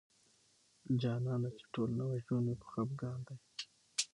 جانان چې نوي ژوند مي ټوله په خفګان دی